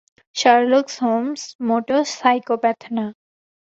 Sherlock Holmes মোটেও psychopath না।